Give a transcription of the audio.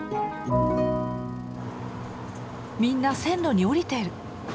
みんな線路に降りてる。